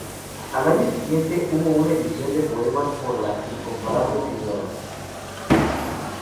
Al año siguiente hubo una edición de "Poemas por la Incomparable Sra.